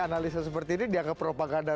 analisa seperti ini dianggap propaganda